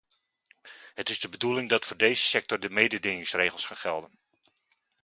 Het is de bedoeling dat voor deze sector de mededingingsregels gaan gelden.